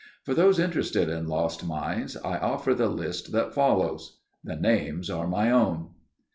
For those interested in lost mines I offer the list that follows. (The names are my own.)